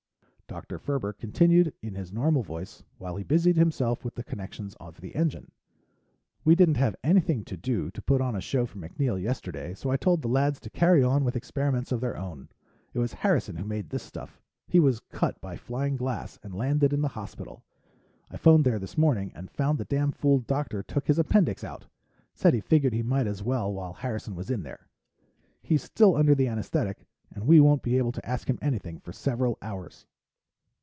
Dr. Ferber continued in his normal voice while he busied himself with the connections of the engine: "We didn't have anything to do to put on a show for MacNeill yesterday, so I told the lads to carry on with experiments of their own. It was Harrison who made this stuff. He was cut by flying glass and landed in the hospital. I phoned there this morning and found the damn fool doctor took his appendix out. Said he figured he might as well while Harrison was in there. He's still under the anesthetic and we won't be able to ask him anything for several hours."